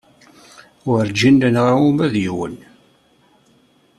Werǧin nenɣa uma d yiwen.